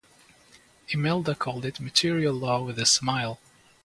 Imelda called it martial law with a smile.